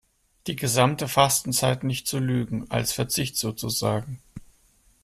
Die gesamte Fastenzeit nicht zu Lügen, als Verzicht sozusagen.